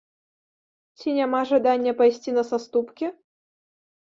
Ці няма жадання пайсці на саступкі?